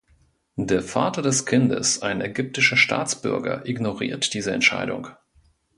Der Vater des Kindes, ein ägyptischer Staatsbürger, ignoriert diese Entscheidung.